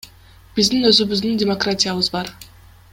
Биздин өзүбүздүн демократиябыз бар.